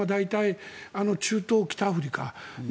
原点は大体、中東、北アフリカ。